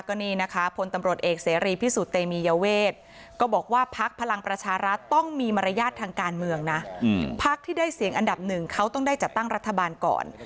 ขอบรรตเอกเสรีพี่สุเตมีเยาเวศก็บอกว่าพักพลังประชาระต้องมีมรรยาศทางการเมืองนะเพากับที่ได้เสียงอันดับ๑เค้าต้องได้จัดตั้งรรธบาลก่อน